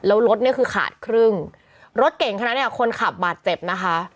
แล้วรถเนี่ยคือขาดครึ่งรถเก่งคนนั้นเนี่ยคนขับบาดเจ็บนะคะ